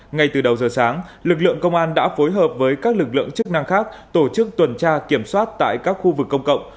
ngay từ đầu giờ sáng lực lượng công an đã phối hợp với các lực lượng chức năng khác tổ chức tuần tra kiểm soát tại các khu vực công cộng